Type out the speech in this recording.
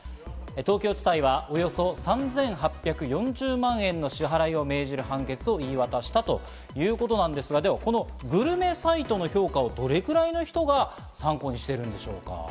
東京地裁はおよそ３８４０万円の支払いを命じる判決を言い渡したということなんですが、では、このグルメサイトの評価をどれくらいの人が参考にしているんでしょうか？